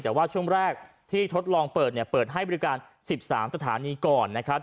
แต่ว่าช่วงแรกที่ทดลองเปิดเนี่ยเปิดให้บริการ๑๓สถานีก่อนนะครับ